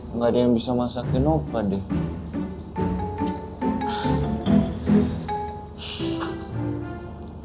nggak ada yang bisa masakin apa deh